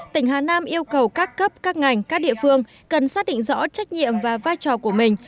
tỉnh hà nam yêu cầu các cấp các ngành các địa phương cần xác định rõ trách nhiệm và vai trò của mình